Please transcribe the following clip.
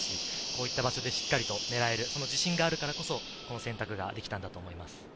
こういった場所でしっかり狙える自信があるからこそ、この選択ができたと思います。